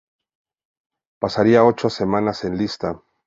Pasaría ocho semanas en lista.